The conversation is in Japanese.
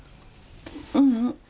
ううん。